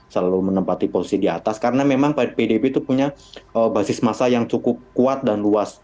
selalu menempati posisi di atas karena memang pdip itu punya basis masa yang cukup kuat dan luas